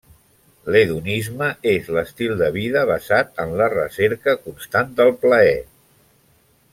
L'hedonisme és l'estil de vida basat en la recerca constant del plaer.